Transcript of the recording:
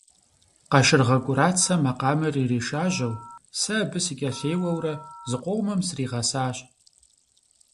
Къашыргъэ КӀурацэ макъамэр иришажьэу, сэ абы сыкӀэлъеуэурэ зыкъомым сригъэсащ.